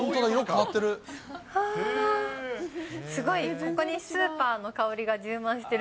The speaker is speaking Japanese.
わあ、すごい、ここにスーパーの香りが充満してる。